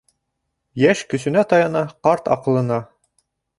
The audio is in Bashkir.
Йәш көсөнә таяна, ҡарт аҡылына.